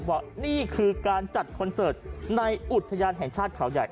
ว่านี่คือการจัดคอนเสิร์ตในอุทยานแห่งชาติเขาใหญ่